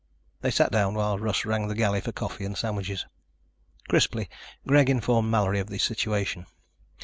They sat down while Russ rang the galley for coffee and sandwiches. Crisply, Greg informed Mallory of the situation.